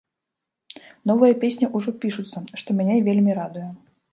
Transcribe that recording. Новыя песні ўжо пішуцца, што мяне вельмі радуе.